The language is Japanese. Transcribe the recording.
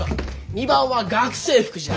２番は学生服じゃ。